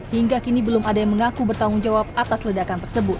hingga kini belum ada yang mengaku bertanggung jawab atas ledakan tersebut